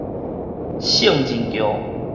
聖人橋